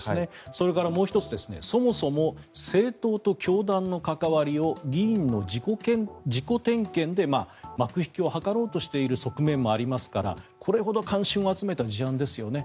それからもう１つそもそも政党と教団の関わりを議員の自己点検で幕引きを図ろうとしている側面もありますからこれほど関心を集めた事案ですよね。